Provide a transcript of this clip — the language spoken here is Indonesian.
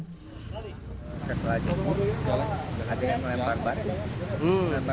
saya telah jemur ada yang melempar bar